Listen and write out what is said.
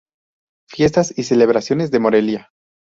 Fiestas y celebraciones de Morelia